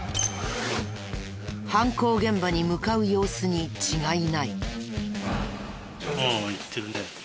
犯行現場に向かう様子に違いない。